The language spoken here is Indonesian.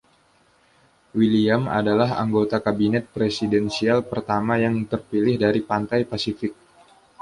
William adalah anggota Kabinet presidensial pertama yang terpilih dari Pantai Pasifik.